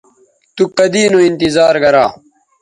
تو کدی نو انتظار گرا